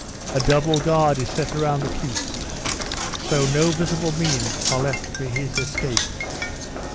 A double guard is set around the keep; so no visible means are left for his escape."